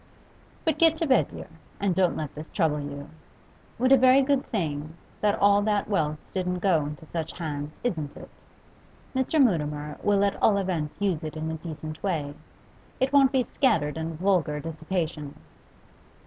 But get to bed, dear, and don't let this trouble you. What a very good thing that all that wealth didn't go into such hands, isn't it? Mr. Mutimer will at all events use it in a decent way; it won't be scattered in vulgar dissipation.